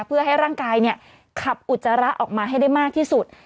เพื่อให้ร่างกายขับอุจจาระออกมาให้ได้มากที่สุด